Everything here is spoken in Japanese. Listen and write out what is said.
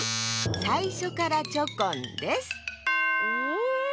さいしょからチョコンです。え？